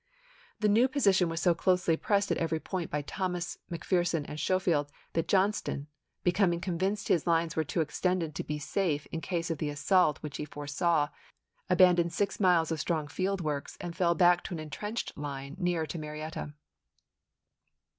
The new position was so closely pressed at every point by Thomas, McPherson, and Schofield that Johnston, becoming convinced his lines were too extended to be safe in case of the assault which he SHEEMAN'S CAMPAIGN TO THE CHATTAHOOCHEE 21 foresaw, abandoned six miles of strong field works chap.i. and fell back to an intrenched line nearer to Marietta.